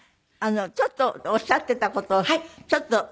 ちょっとおっしゃっていた事ちょっといいですか？